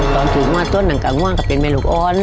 ตอนถือกงวดทุ่นหนังกากว้างก็เป็นแม่ลูกอ้อน